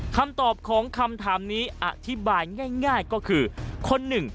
คำตอบของคำถามนี้อธิบายง่ายก็คือคนหนึ่ง